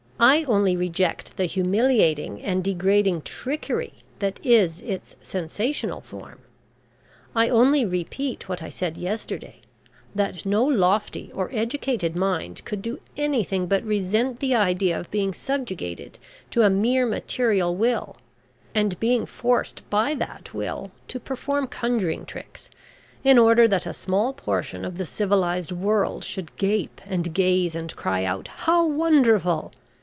I only reject the humiliating and degrading trickery that is its sensational form. I only repeat what I said yesterday, that no lofty or educated mind could do anything but resent the idea of being subjugated to a mere material will, and being forced by that will to perform conjuring tricks in order that a small portion of the civilised world should gape, and gaze, and cry out `How wonderful!'